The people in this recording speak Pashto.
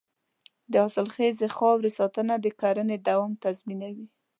د حاصلخیزې خاورې ساتنه د کرنې دوام تضمینوي.